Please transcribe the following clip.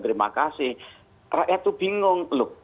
terima kasih rakyat itu bingung loh